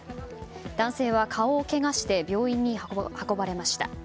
男性は顔をけがして病院に運ばれました。